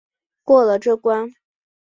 过了这关